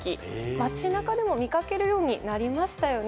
街中でも見かけるようになりましたよね。